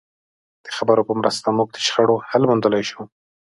د خبرو په مرسته موږ د شخړو حل موندلای شو.